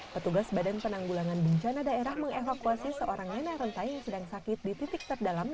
petugas badan penanggulangan bencana daerah mengevakuasi seorang nenek rentai yang sedang sakit di titik terdalam